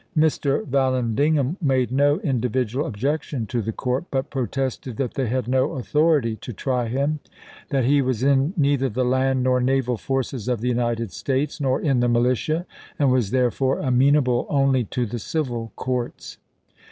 Mr. Vallandig ham made no individual objection to the court, but protested that they had no authority to try him ; that he was in neither the land nor naval forces of the United States, nor in the militia, and was there fore amenable only to the civil courts.